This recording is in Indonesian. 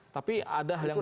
tapi ada yang baru